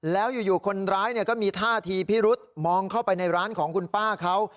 แล้วอยู่คนร้ายก็มีท่าทีพิรุษมองเข้าไปในร้านของคุณป้าเขา